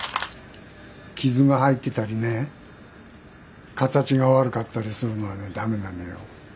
傷が入ってたりね形が悪かったりするのはねだめなのよ。